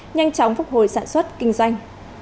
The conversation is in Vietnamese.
nhanh chóng phục hồi sản xuất kinh doanh